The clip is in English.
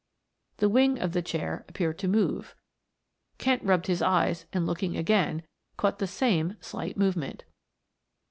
The wing of the chair appeared to move. Kent rubbed his eyes and looking again, caught the same slight movement.